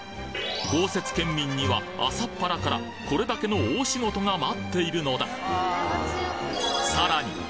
豪雪ケンミンには朝っぱらからこれだけの大仕事が待っているのださらに